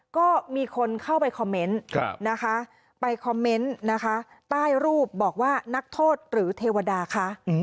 ก็มีคนเข้าไปคอมเมนต์นะคะไปคอมเมนต์นะคะใต้รูปบอกว่านักโทษหรือเทวดาคะ